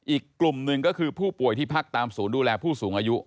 อีกกลุ่มหนึ่งก็คือผู้ป่วยที่พักตามศูนย์ดูแลผู้สูงอายุ